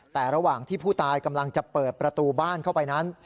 แต่ระหว่างที่ผู้ตายกำลังจะเปิดประตูบ้านเข้าไปนั้น